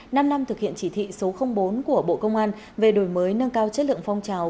năm năm thực hiện chỉ thị số bốn của bộ công an về đổi mới nâng cao chất lượng phong trào